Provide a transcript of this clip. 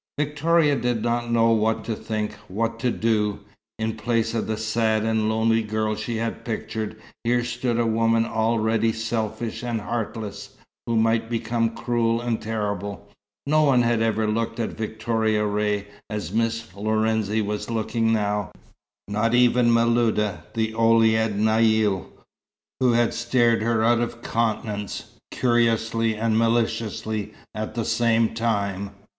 Victoria did not know what to think, what to do. In place of the sad and lonely girl she had pictured, here stood a woman already selfish and heartless, who might become cruel and terrible. No one had ever looked at Victoria Ray as Miss Lorenzi was looking now, not even Miluda, the Ouled Naïl, who had stared her out of countenance, curiously and maliciously at the same time.